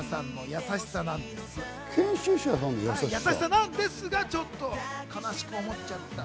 優しさなんですが、ちょっと悲しく思っちゃった。